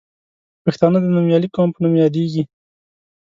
پښتانه د نومیالي قوم په نوم یادیږي.